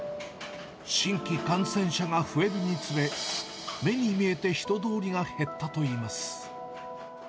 新規感染者が増えるにつれ、目に見えて人通りが減ったといいます。